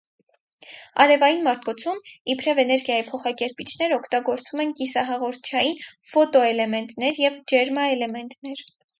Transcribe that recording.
Արևային մարտկոցում իբրև էներգիայի փոխակերպիչներ օգտագործվում են կիսահաղորդչային ֆոտոէլեմենտներ և ջերմաէլեմենտներ։